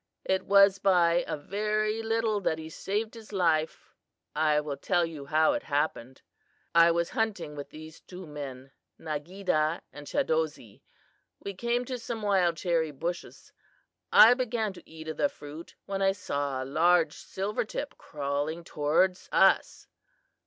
It was by a very little that he saved his life. I will tell you how it happened. "I was hunting with these two men, Nageedah and Chadozee. We came to some wild cherry bushes. I began to eat of the fruit when I saw a large silver tip crawling toward us.